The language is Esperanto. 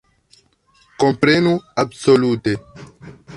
Komprenu, absolute!